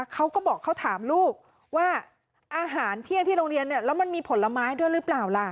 เขาก็บอกเขาถามลูกว่าอาหารเที่ยงที่โรงเรียนเนี่ยแล้วมันมีผลไม้ด้วยหรือเปล่าล่ะ